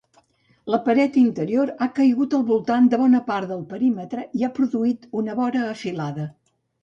La paret interior ha caigut al voltant de bona part del perímetre i ha produït una vora afilada.